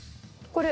これ。